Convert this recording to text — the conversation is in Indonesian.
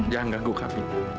jangan ganggu kami